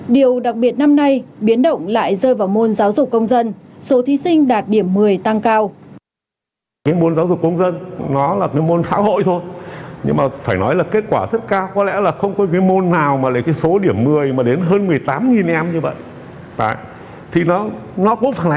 điều đặc biệt năm nay biến động lại rơi vào môn giáo dục công dân số thí sinh đạt điểm một mươi tăng cao